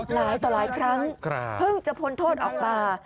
หลายต่อหลายครั้งเพิ่งจะพ้นโทษออกมา